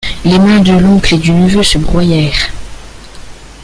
Les mains de l'oncle et du neveu se broyèrent.